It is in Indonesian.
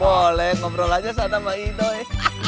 boleh ngobrol saja sama idoi